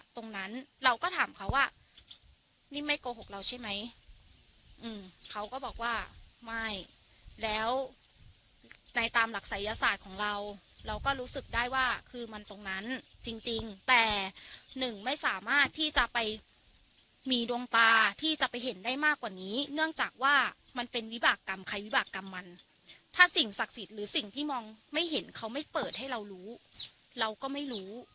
ตรงนั้นเราก็ถามเขาว่านี่ไม่โกหกเราใช่ไหมเขาก็บอกว่าไม่แล้วในตามหลักศัยศาสตร์ของเราเราก็รู้สึกได้ว่าคือมันตรงนั้นจริงแต่หนึ่งไม่สามารถที่จะไปมีดวงตาที่จะไปเห็นได้มากกว่านี้เนื่องจากว่ามันเป็นวิบากรรมใครวิบากรรมมันถ้าสิ่งศักดิ์สิทธิ์หรือสิ่งที่มองไม่เห็นเขาไม่เปิดให้เรารู้เราก็ไม่รู้